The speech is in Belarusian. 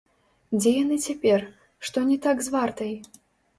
Дзе яны цяпер, што не так з вартай?